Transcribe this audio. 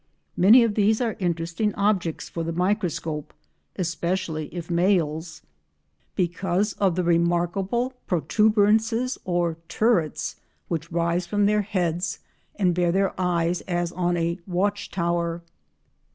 Many of these are interesting objects for the microscope—especially if males—because of the remarkable protuberances or turrets which rise from their heads and bear their eyes as on a watch tower.